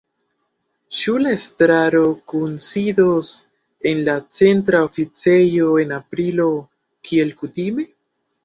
Ĉu la estraro kunsidos en la Centra Oficejo en aprilo, kiel kutime?